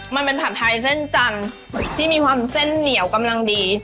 มันเป็นผัดไทยเส้นจันทร์ที่มีความเส้นเหนียวกำลังดี